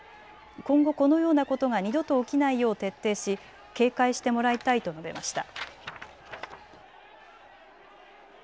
今後このようなことが二度と起きないよう徹底し警戒してもらいたいと述べました。